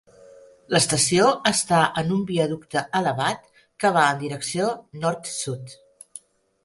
L'estació està en un viaducte elevat que va en direcció nord-sud.